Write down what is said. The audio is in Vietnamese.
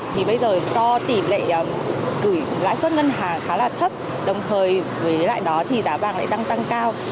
thì bây giờ do tỷ lệ gửi lãi suất ngân hàng khá là thấp đồng thời với lại đó thì giá vàng lại đang tăng cao